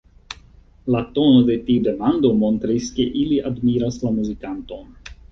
La tono de tiu demando montris, ke ili admiras la muzikanton.